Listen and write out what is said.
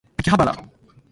秋葉原